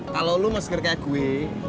kalau lo mau seger kayak gue